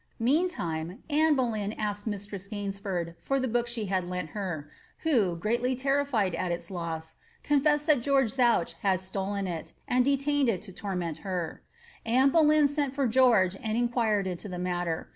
Meantime Anne Boleyn asked mistress Gaynsford for the book she had lent her, who, greatly terrified at its loss, confessed that George Zouch had stolen it, and de tained it to toiment her. Anne Boleyn sent for George and inquired into the matter.